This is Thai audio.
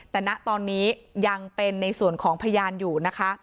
แต่ณตอนนี้ยังเป็นในส่วนของพยานอยู่นะคะ